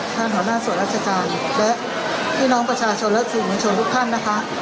ท่านหัวหน้าศวรรษการและพี่น้องประชาชนเลิกสิ่งมือชนทุกท่านนะคะ